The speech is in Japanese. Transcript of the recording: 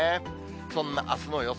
そんなあすの予想